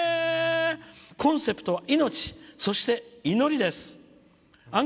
コンセプトは「命」そして「祈り」です。